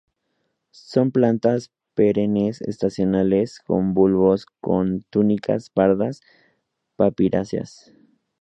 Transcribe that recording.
Son plantas perennes estacionales con bulbos con túnicas pardas papiráceas.